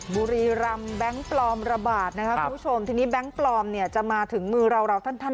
บุรีรำแบงก์ปลอมระบาดนะครับคุณผู้ชมที่นี้แบงก์ปลอมเนี่ยจะมาถึงมืออาน